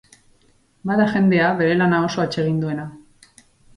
Bada jendea bere lana oso atsegin duena.